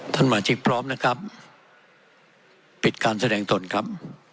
สมาชิกพร้อมนะครับปิดการแสดงตนครับ